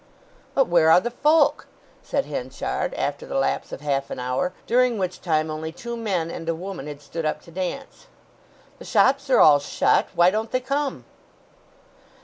"But where are the folk?" said Henchard, after the lapse of half an hour, during which time only two men and a woman had stood up to dance. "The shops are all shut. Why don't they come?"